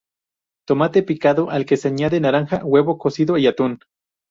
Tomate picado al que se añade naranja, huevo cocido y atún.